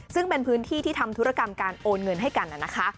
ซึ่งเป็นพื้นที่ที่ทำธุรกรรมการโอนเงินให้กันนะคะ